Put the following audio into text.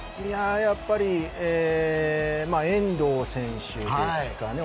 やっぱり遠藤選手ですかね。